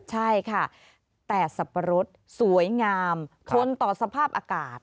ใช่ค่ะแต่สับปะรดสวยงามทนต่อสภาพอากาศ